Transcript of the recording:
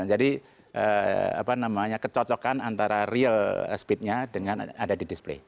jadi apa namanya kecocokan antara real speednya dengan ada di display